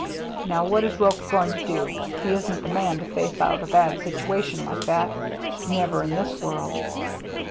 Now what is Roche going to do ? He isn't the man to face out a bad situation like that — never in this world.